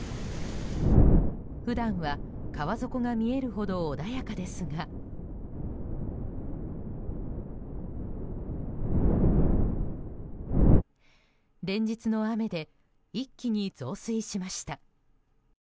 普段は川底が見えるほど穏やかですが連日の雨で一気に増水しました。